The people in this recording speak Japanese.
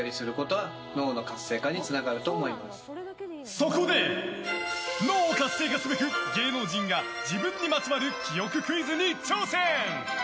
そこで、脳を活性化すべく芸能人が自分にまつわる記憶クイズに挑戦。